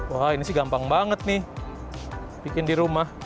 wah ini sih gampang banget nih bikin di rumah